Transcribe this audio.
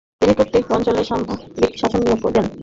তিনি প্রত্যেক অঞ্চলে সামরিক শাসক নিয়োগ দেন।